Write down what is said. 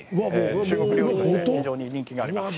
中国料理として非常に人気があります。